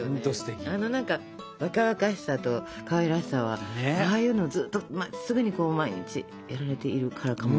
あの何か若々しさとかわいらしさはああいうのをずっとまっすぐに毎日やられているからかも。